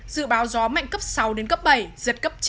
dự báo gió mạnh cấp sáu bảy giật cấp chín